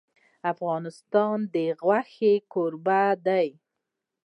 افغانستان د غوښې کوربه دی.